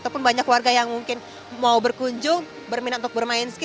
ataupun banyak warga yang mungkin mau berkunjung berminat untuk bermain ski